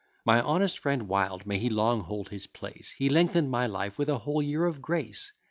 My honest friend Wild (may he long hold his place) He lengthen'd my life with a whole year of grace.